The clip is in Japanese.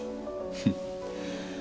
フッ。